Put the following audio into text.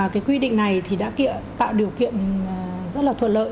cái quy định này thì đã tạo điều kiện rất là thuận lợi